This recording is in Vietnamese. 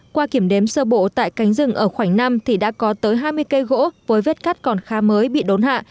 qua kiểm đếm sơ bộ tại cánh rừng ở khoảnh năm thì đã có tới hai mươi cây gỗ với vết cắt còn khá mới bị đốn hạ